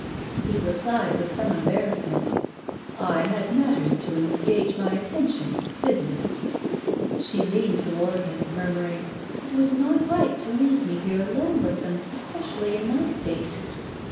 He replied with some embarrassment: "I had matters to engage my attention business." She leaned toward him, murmuring: "It was not right to leave me here alone with them, especially in my state."